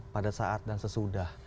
pada saat dan sesudah